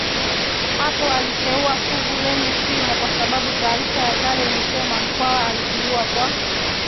Hapo aliteua fuvu lenye shimo kwa sababu taarifa ya kale ilisema Mkwawa alijiua kwa